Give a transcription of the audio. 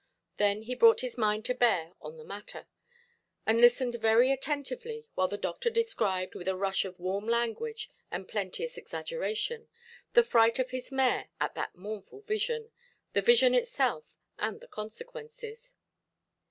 Then he brought his mind to bear on the matter, and listened very attentively while the doctor described, with a rush of warm language and plenteous exaggeration, the fright of his mare at that mournful vision, the vision itself, and the consequences.